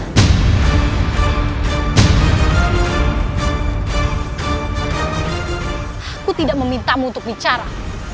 aku tidak memintamu untuk bicara